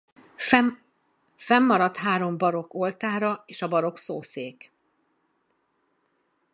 Fennmaradt három barokk oltára és a barokk szószék.